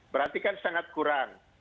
berarti kan sangat kurang